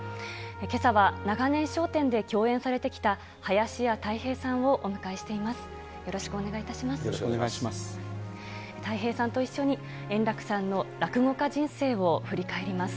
けさは長年、笑点で共演されてきた、林家たい平さんをお迎えしています。